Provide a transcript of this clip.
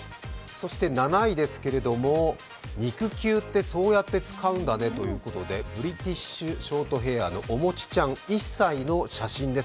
７位ですけれども、肉球ってそうやって使うんだねということでブリティッシュショートヘアのおもちちゃん１歳の写真です。